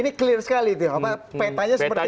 ini clear sekali tuh petanya seperti itu